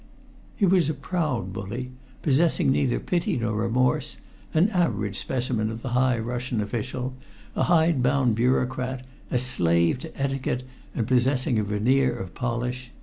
He was a proud bully, possessing neither pity nor remorse, an average specimen of the high Russian official, a hide bound bureaucrat, a slave to etiquette and possessing a veneer of polish.